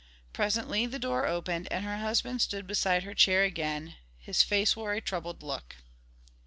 Presently the door opened, and her husband stood beside her chair again; his face wore a troubled look.